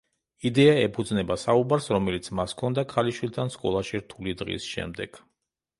იდეა ეფუძნება საუბარს, რომელიც მას ჰქონდა ქალიშვილთან, სკოლაში რთული დღის შემდეგ.